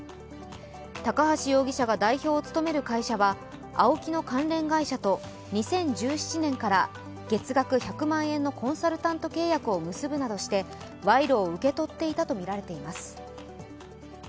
高橋容疑者が代表を務める会社はＡＯＫＩの関連会社と２０１７年から月額１００万円のコンサルタント契約を結ぶなどして賄賂を受け取っていたとみられています。